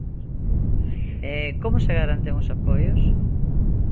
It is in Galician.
E ¿como se garanten os apoios?